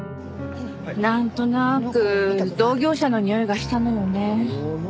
なんとなく同業者のにおいがしたのよね。